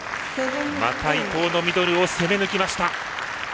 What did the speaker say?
また、伊藤のミドルを攻め抜きました。